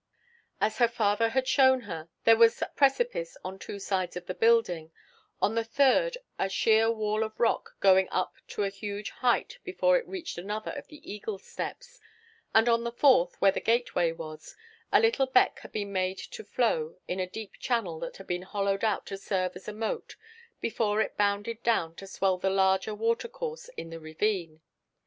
As her father had shown her, there was precipice on two sides of the building; on the third, a sheer wall of rock going up to a huge height before it reached another of the Eagle's Steps; and on the fourth, where the gateway was, the little beck had been made to flow in a deep channel that had been hollowed out to serve as a moat, before it bounded down to swell the larger water course in the ravine.